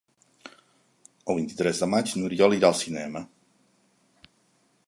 El vint-i-tres de maig n'Oriol irà al cinema.